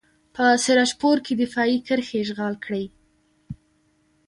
په سراج پور کې دفاعي کرښې اشغال کړئ.